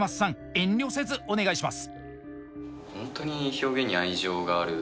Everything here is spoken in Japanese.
遠慮せずお願いします。